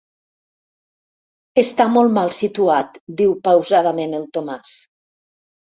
Està molt mal situat –diu pausadament el Tomàs–.